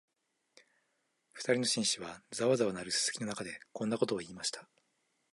二人の紳士は、ざわざわ鳴るすすきの中で、こんなことを言いました